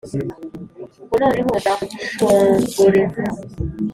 ngo none zamuncogoreza,